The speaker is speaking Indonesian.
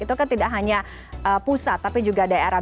itu kan tidak hanya pusat tapi juga daerah